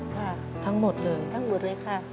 ค่ะทั้งหมดเลยทั้งหมดเลยค่ะ